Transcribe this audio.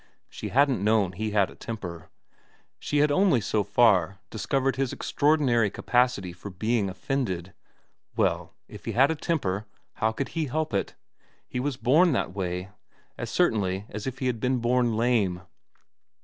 She hadn't known he had a temper. She had only, so far, discovered his extraordinary capacity for being offended. Well, if he had a temper how could he help it ? He was born that way, as certainly as if he had been born lame.